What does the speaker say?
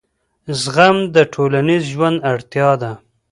زغم د ټولنیز ژوند اړتیا ده.